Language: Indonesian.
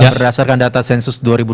berdasarkan data sensus dua ribu dua puluh